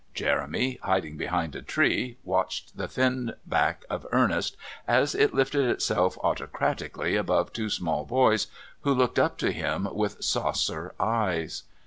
Jeremy, hiding behind a tree, watched the thin back of Ernest as it lifted itself autocratically above two small boys who looked up to him with saucer eyes.